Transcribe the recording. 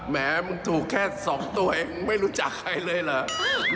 แหมมึงถูกแค่๒ตัวเองไม่รู้จักใครเลยเหรอ